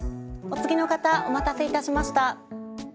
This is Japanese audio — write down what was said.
お次の方お待たせいたしました。